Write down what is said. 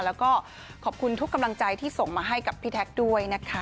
แล้วก็ขอบคุณทุกกำลังใจที่ส่งมาให้กับพี่แท็กด้วยนะคะ